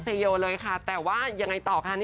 แต่ว่ายังไงต่อค่ะ